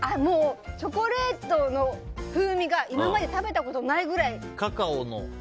チョコレートの風味が今まで食べたことないくらい。